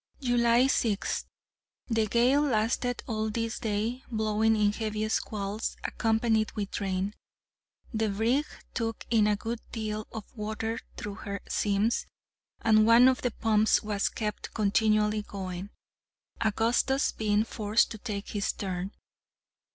July 6th. The gale lasted all this day, blowing in heavy squalls, accompanied with rain. The brig took in a good deal of water through her seams, and one of the pumps was kept continually going, Augustus being forced to take his turn.